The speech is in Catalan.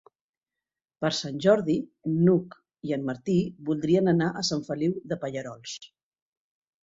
Per Sant Jordi n'Hug i en Martí voldrien anar a Sant Feliu de Pallerols.